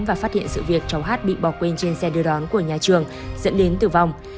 và phát hiện sự việc cháu hát bị bỏ quên trên xe đưa đón của nhà trường dẫn đến tử vong